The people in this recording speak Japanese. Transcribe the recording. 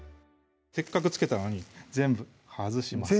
せっかく漬けたのに全部外します